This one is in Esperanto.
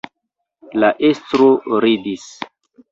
La estro ridis.